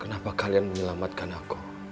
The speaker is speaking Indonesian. kenapa kalian menyelamatkan aku